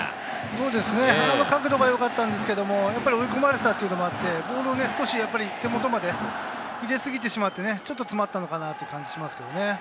そうですね、角度はよかったんですけど、追い込まれていたこともあって、ボールを手元まで入れすぎてしまって、ちょっと詰まったのかなという感じがしますね。